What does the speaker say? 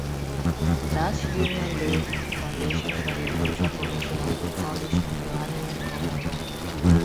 That union laid the foundations for the eventual formation of the Polish-Lithuanian Commonwealth.